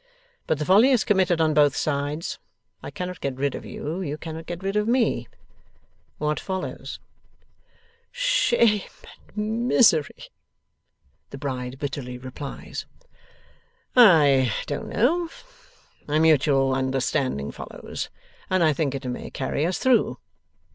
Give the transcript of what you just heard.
But the folly is committed on both sides. I cannot get rid of you; you cannot get rid of me. What follows?' 'Shame and misery,' the bride bitterly replies. 'I don't know. A mutual understanding follows, and I think it may carry us through.